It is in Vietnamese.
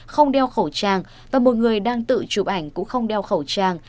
không đeo khẩu trang và một người đang tự chụp ảnh cũng không đeo khẩu trang